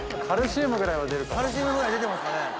カルシウムぐらい出てますかね。